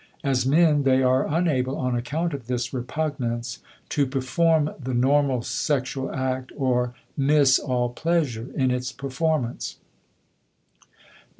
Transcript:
As men they are unable, on account of this repugnance, to perform the normal sexual act or miss all pleasure in its performance.